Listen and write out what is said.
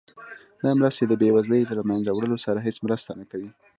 دا مرستې د بیوزلۍ د له مینځه وړلو سره هیڅ مرسته نه کوي.